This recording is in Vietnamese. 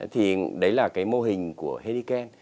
thì đấy là cái mô hình của heliken